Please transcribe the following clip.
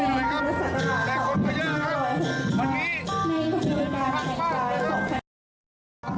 พระจังหวัดอย่างเศรษฐธรรม